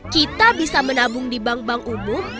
kita bisa menabung di bank bank umum